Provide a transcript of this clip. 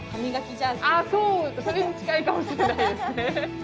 あそうそれに近いかもしれないですね。